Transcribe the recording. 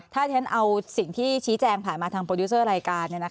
ถ้าฉันเอาสิ่งที่ชี้แจงผ่านมาทางโปรดิวเซอร์รายการ